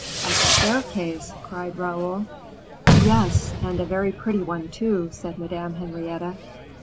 "A staircase!" cried Raoul. "Yes, and a very pretty one, too," said Madame Henrietta.